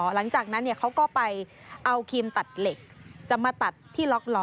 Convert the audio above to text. หลังจากนั้นเขาก็ไปเอาครีมตัดเหล็กจะมาตัดที่ล็อกล้อ